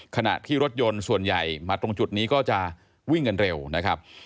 ขณะที่รถยนต์ส่วนใหญ่มาตรงจุดนี้ก็จะวิ่งกันเร็วนะครับ